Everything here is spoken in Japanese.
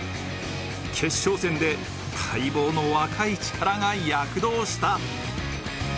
決勝戦で待望の若い力が躍動した。